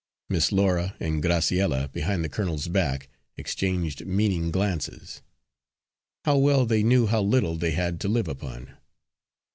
Miss Laura and Graciella, behind the colonel's back, exchanged meaning glances. How well they knew how little they had to live upon!